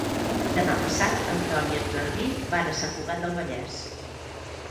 Demà passat en Ton i en Garbí van a Sant Cugat del Vallès.